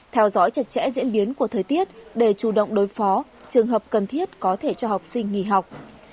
theo dõi chặt chẽ diễn biến của thời tiết để chủ động đối phó trường hợp cần thiết có thể cho học sinh nghỉ học